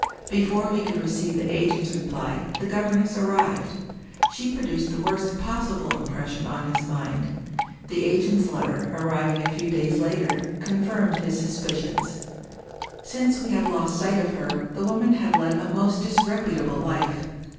Before he could receive the agent's reply the governess arrived. She produced the worst possible impression on his mind. The agent's letter, arriving a few days later, con firmed his suspicions. Since, we had lost sight of her, the woman had led a most disreputable life.